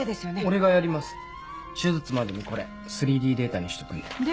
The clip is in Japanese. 俺がやります手術までにこれ３Ｄデータにしとくんで。